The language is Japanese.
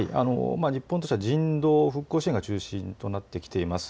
日本としては人道、復興支援が中心となってきています。